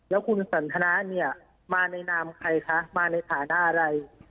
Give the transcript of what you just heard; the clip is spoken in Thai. แล้วคุณสันธนะมาในน้ำใครคะมาในฐานะอะไร